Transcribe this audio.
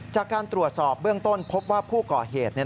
จากการตรวจสอบเบื้องต้นพบว่าผู้ก่อเหตุ